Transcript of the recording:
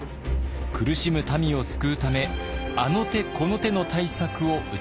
苦しむ民を救うためあの手この手の対策を打ちました。